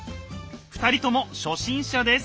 ２人とも初心者です。